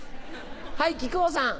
はい木久扇さん。